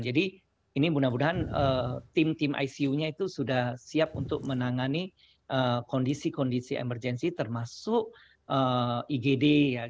jadi ini mudah mudahan tim tim icu nya itu sudah siap untuk menangani kondisi kondisi emergensi termasuk igd